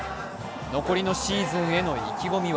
残りのシーズンへの意気込みは。